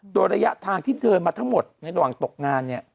โดยระยะทางที่เดินมาทั้งหมดในระหว่างตกงานเนี่ย